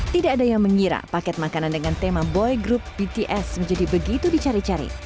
tidak ada yang mengira paket makanan dengan tema boy group bts menjadi begitu dicari cari